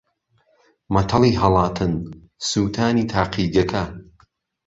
مەتەڵی ھەڵاتن: سووتانی تاقیگەکە